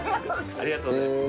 ありがとうございます。